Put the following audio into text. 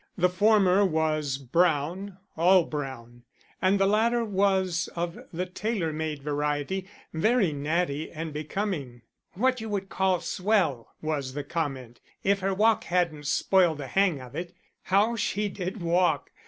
The former was brown, all brown; and the latter was of the tailor made variety, very natty and becoming. "What you would call 'swell,'" was the comment, "if her walk hadn't spoiled the hang of it. How she did walk!